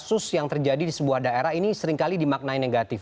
kasus yang terjadi di sebuah daerah ini seringkali dimaknai negatif